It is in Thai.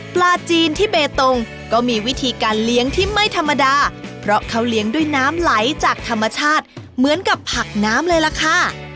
ปลาจีนที่เบตงก็มีวิธีการเลี้ยงที่ไม่ธรรมดาเพราะเขาเลี้ยงด้วยน้ำไหลจากธรรมชาติเหมือนกับผักน้ำเลยล่ะค่ะ